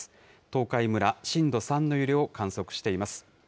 東海村、震度３の揺れを観測しています。